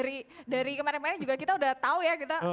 iya dari kemarin kemarin kita udah tau ya